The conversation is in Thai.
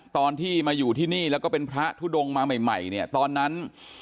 ตอนที่มาอยู่ที่นี่แล้วก็เป็นพระทุดงมาใหม่เนี่ยตอนนั้น